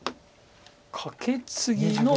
カケツギの。